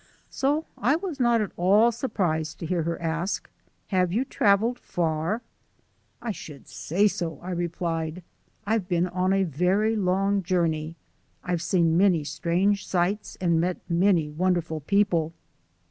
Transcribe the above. So I was not at all surprised to hear her ask: "Have you travelled far?" "I should say so!" I replied. "I've been on a very long journey. I've seen many strange sights and met many wonderful people."